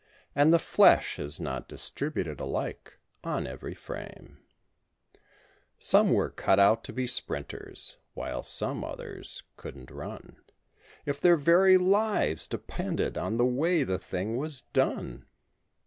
And the flesh is not distributed alike on every frame— Some were cut out to be sprinters, while some others couldn't run If their very lives depended on the way the thing was done.